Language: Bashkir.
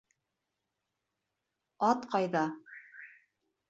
Ат ҡайҙа?